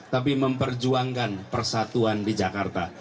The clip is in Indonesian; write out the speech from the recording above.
tapi memperjuangkan persatuan di jakarta